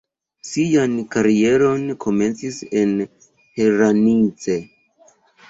Sian karieron komencis en Hranice.